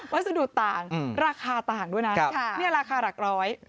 วัสดุต่างราคาต่างด้วยนะเนี่ยราคาหลักร้อย